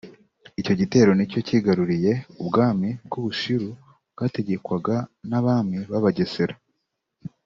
Icyo gitero nicyo cyigaruriye Ubwami bw’u Bushiru bwategekwaga n’Abami b’Abagesera